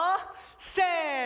せの。